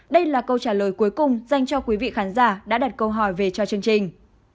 đây là câu trả lời cuối cùng dành cho quý vị khán giả đã đặt câu hỏi về cho chương trình